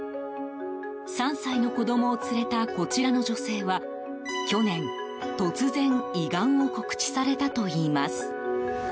３歳の子供を連れたこちらの女性は去年、突然胃がんを告知されたといいます。